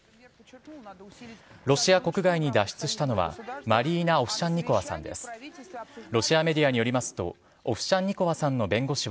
ロシア国外に脱出したのは、マリーナ・オフシャンニコワさんです。